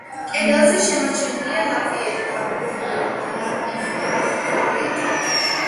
კედელზე შემორჩენილია ლაპიდარული წარწერა.